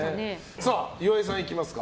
岩井さん、いきますか。